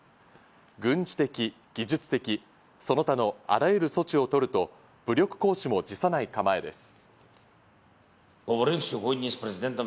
軍事的、技術的、その他のあらゆる措置をとると武力行使も辞さない構えです。